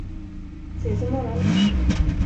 Ses i morgon.